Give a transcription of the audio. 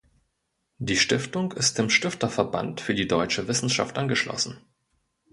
Die Stiftung ist dem Stifterverband für die Deutsche Wissenschaft angeschlossen.